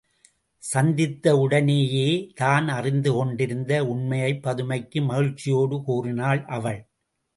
சந்தித்த உடனேயே, தான் அறிந்துகொண்டிருந்த உண்மையைப் பதுமைக்கு மகிழ்ச்சியோடு கூறினாள் அவள்.